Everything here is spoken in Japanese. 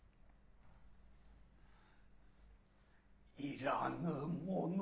いらぬもの